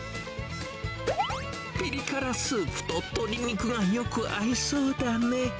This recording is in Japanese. ぴり辛スープと鶏肉がよく合いそうだね。